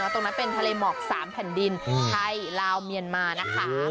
ตรงนั้นเป็นทะเลหมอก๓แผ่นดินไทยลาวเมียนมานะคะ